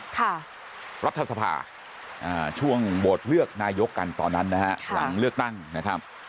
รัฐสภาช่วงโหวตเลือกนายกกันตอนนั้นนะฮะหลังเลือกตั้งนะครับ